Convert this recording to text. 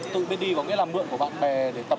tự biết đi có nghĩa là mượn của bạn bè để tập